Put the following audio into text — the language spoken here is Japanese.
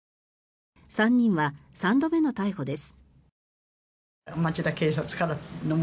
３人は３度目の逮捕です。